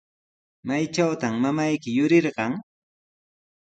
¿Maytrawtaq mamayki yurirqan?